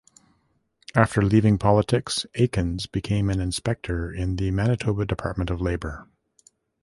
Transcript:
After leaving politics, Aikens became an inspector in the Manitoba Department of Labor.